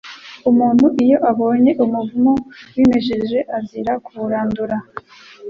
Umuntu iyo abonye umuvumu wimejeje, azira kuwurandura,